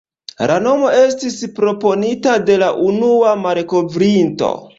La nomo estis proponita de la unua malkovrinto.